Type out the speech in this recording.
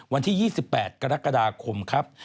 วันที่๒๘กรกฎาคมครับ